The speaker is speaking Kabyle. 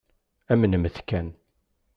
Amnemt-t kan.